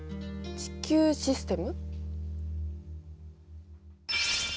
地球システム？